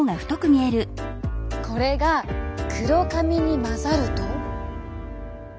これが黒髪に交ざると。